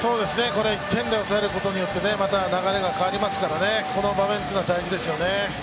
１点で抑えることによってまた流れが変わりますからね、この場面というのは大事ですよね。